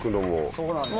そうなんですよ。